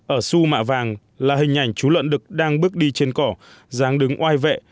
ở su mạ vàng là hình ảnh chú lợn đực đang bước đi trên cỏ dáng đứng oai vẹ